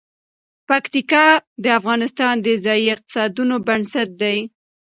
پکتیکا د افغانستان د ځایي اقتصادونو بنسټ دی.